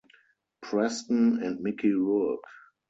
Preston, and Mickey Rourke.